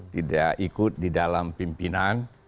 tidak ikut di dalam pimpinan